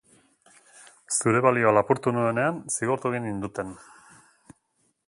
Zure balioa lapurtu nuenean, zigortu egin ninduten